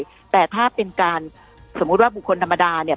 สามารถหักได้แต่ถ้าเป็นการสมมุติว่าบุคคลนามดาเนี่ย